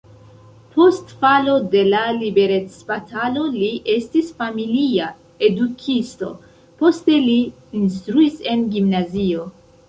Post falo de la liberecbatalo li estis familia edukisto, poste li instruis en gimnazio.